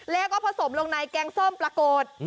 แล้วก็ผสมลงในแกงส้มปรากฏ